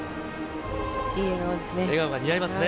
いい笑顔ですね。